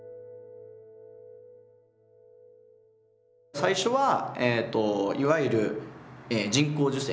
最初はいわゆる人工授精。